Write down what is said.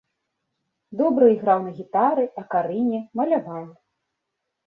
Добра іграў на гітары, акарыне, маляваў.